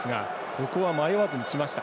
ここは迷わずいきました。